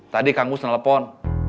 tadi kang gus telepon